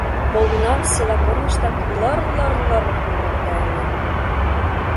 — Молгунам села корныштак лыр-лыр-лыр-р муралта ыле...